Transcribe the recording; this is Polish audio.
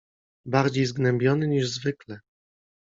bardziej zgnębiony niż zwykle.